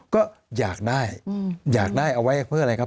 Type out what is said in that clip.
ก็อยากได้อยากได้เอาไว้เพื่ออะไรครับ